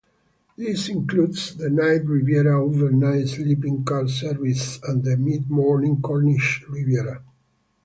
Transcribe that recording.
This includes the Night Riviera overnight sleeping car service and the mid-morning Cornish Riviera.